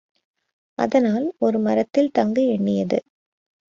அதனால் ஒரு மரத்தில் தங்க எண்ணியது.